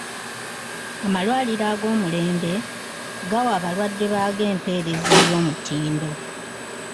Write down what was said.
Amalwaliro ag'omulembe gawa abalwadde baago empeereza ey'omutindo.